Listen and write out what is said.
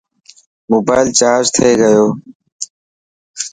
موبال چارج ٿي گيو.